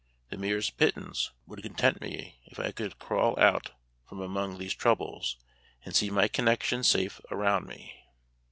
The merest pittance would content me if I could crawl out from among these troubles and see my connections safe around me."